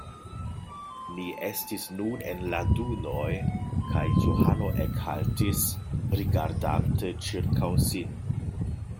Ni estis nun en la dunoj kaj Johano ekhaltis, rigardante ĉirkaŭ sin.